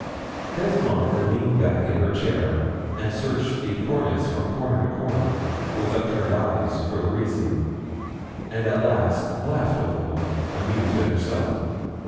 Cousin Monica leaned back in her chair, and searched the cornice from corner to corner with upturned eyes for the reason, and at last laughed a little, amused at herself.